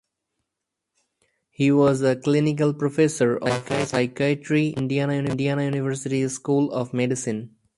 He was a Clinical Professor of Psychiatry at Indiana University School of Medicine.